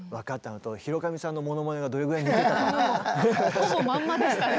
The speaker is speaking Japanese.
ほぼまんまでしたね。